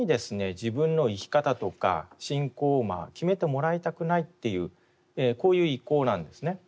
自分の生き方とか信仰を決めてもらいたくないっていうこういう意向なんですね。